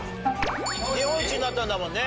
日本一になったんだもんね。